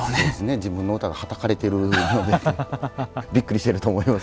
自分の歌がはたかれてるのでびっくりしていると思います。